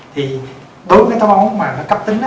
thì đối với cái táo bón mà nó cấp tính á